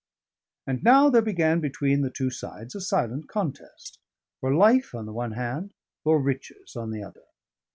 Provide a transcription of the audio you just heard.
And now there began between the two sides a silent contest, for life on the one hand, for riches on the other.